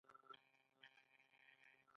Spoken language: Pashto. مظلوم د درد کمولو لارې لټوي.